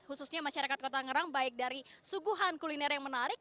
khususnya masyarakat kota ngerang baik dari suguhan kuliner yang menarik